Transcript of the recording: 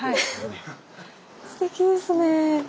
すてきですね。